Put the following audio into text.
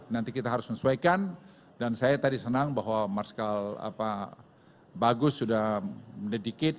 nanti kita harus menyesuaikan dan saya tadi senang bahwa marskal bagus sudah mendedikkit